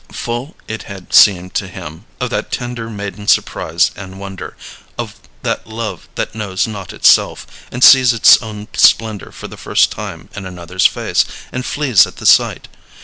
Full it had seemed to him of that tender maiden surprise and wonder, of that love that knows not itself, and sees its own splendor for the first time in another's face, and flees at the sight.